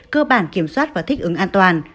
cơ bản kiểm soát và thích ứng an toàn